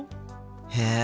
へえ。